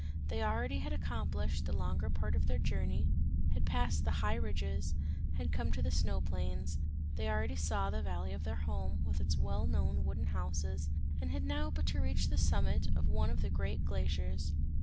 They already had accomplished the longer part of their journey, had passed the high ridges, had come to the snow plains, they already saw the valley of their home, with its well known wooden houses, and had now but to reach the summit of one of the great glaciers.